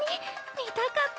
見たかった。